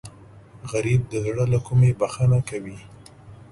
غریب د زړه له کومې بښنه کوي